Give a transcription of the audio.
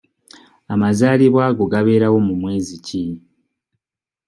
Amazaalibwa go gabeerawo mu mwezi ki?